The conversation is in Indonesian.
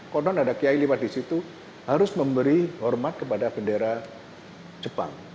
konon ada kiai lewat di situ harus memberi hormat kepada bendera jepang